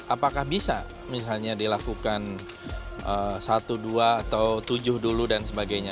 apakah bisa misalnya dilakukan satu dua atau tujuh dulu dan sebagainya